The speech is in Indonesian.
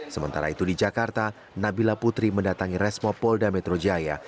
sementara itu di jakarta nabila putri mendatangi resmo polda metro jaya